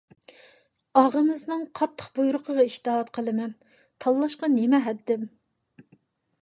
ئاغىمىزنىڭ قاتتىق بۇيرۇقىغا ئىتائەت قىلىمەن. تاللاشقا نېمە ھەددىم؟